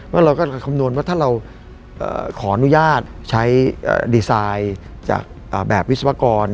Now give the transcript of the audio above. เราก็คำนวณว่าถ้าเราขออนุญาตใช้ดีไซน์จากแบบวิศวกร